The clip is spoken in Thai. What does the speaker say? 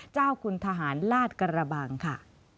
เจ้าคุณทหารลาดกระบังค่ะ